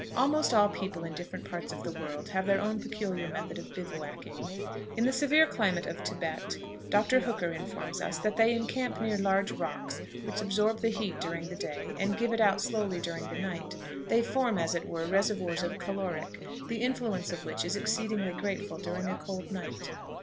Almost all people in different parts of the world have their own peculiar methods of bivouacking. In the severe climate of Thibet, Dr. Hooker informs us that they encamp near large rocks, which absorb the heat during the day, and give it out slowly during the night. They form, as it were, reservoirs of caloric, the influence of which is exceedingly grateful during a cold night.